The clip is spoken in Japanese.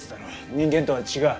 人間とは違う。